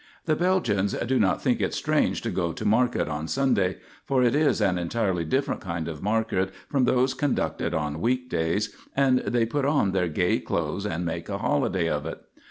The Belgians do not think it strange to go to market on Sunday, for it is an entirely different kind of market from those conducted on week days, and they put on their gay clothes and make a holiday of it.